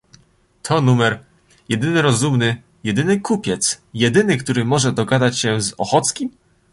"To numer... „Jedyny rozumny... jedyny kupiec... jedyny, który może dogadać się z Ochockim?..."